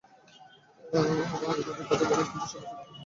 ওরা ইমানের কথা বলে, কিন্তু সবাই টাকার জন্য যুদ্ধ করে।